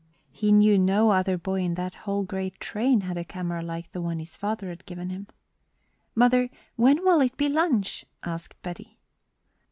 He knew no other boy in that whole great train had a camera like the one his father had given him. "Mother, when will it be lunch?" asked Betty.